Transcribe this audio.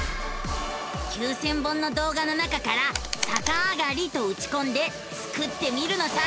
９，０００本の動画の中から「さかあがり」とうちこんでスクってみるのさ！